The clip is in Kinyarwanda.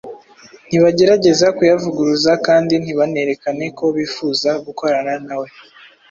ntibagerageza kuyavuguruza kandi ntibanerekane ko bifuza gukorana na we.